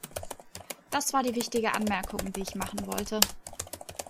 Das war die wichtige Anmerkung, die ich machen wollte.